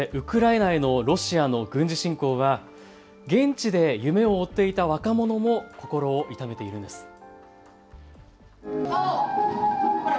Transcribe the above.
そしてウクライナへのロシアの軍事侵攻は現地で夢を追っていた若者も心を痛めているんです。